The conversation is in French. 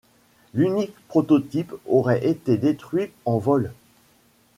L'unique prototype aurait été détruit en vol.